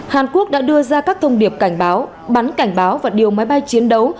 hàn quốc đã đưa ra các thông điệp cảnh báo bắn cảnh báo và điều máy bay chiến đấu